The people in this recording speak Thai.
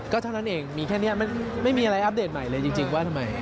เท่านั้นเองมีแค่นี้ไม่มีอะไรอัปเดตใหม่เลยจริงว่าทำไม